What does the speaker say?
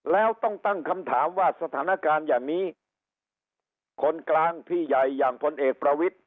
แล้วต้องตั้งคำถามว่าสถานการณ์อย่างนี้คนกลางพี่ใหญ่อย่างพลเอกประวิทธิ